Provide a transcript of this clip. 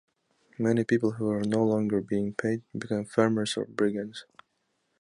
Many people who were no longer being paid became farmers or brigands.